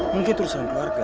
mungkin terserang keluarga